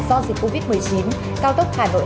do dịch covid một mươi chín cao tốc hà nội